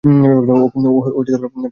ও পাতা দিয়ে পানি খায়।